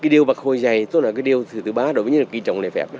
cái điều bạc hồi dày tốt là cái điều thứ ba đối với những người kỳ trọng lệ phép